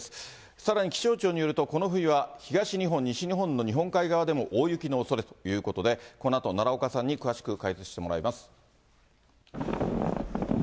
さらに気象庁によると、この冬は東日本、西日本の日本海側でも大雪のおそれということで、このあと奈良岡さんに詳しく解説してもらいます。